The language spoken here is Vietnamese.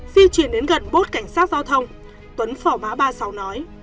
di chuyển đến gần bốt cảnh sát giao thông tuấn phỏ má ba mươi sáu nói